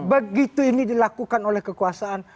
begitu ini dilakukan oleh kekuasaan